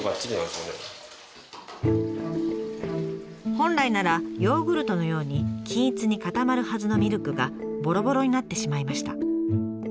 本来ならヨーグルトのように均一に固まるはずのミルクがぼろぼろになってしまいました。